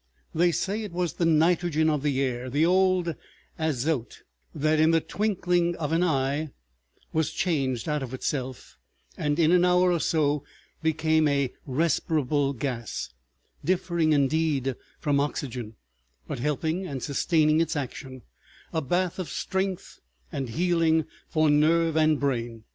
They say it was the nitrogen of the air, the old azote, that in the twinkling of an eye was changed out of itself, and in an hour or so became a respirable gas, differing indeed from oxygen, but helping and sustaining its action, a bath of strength and healing for nerve and brain.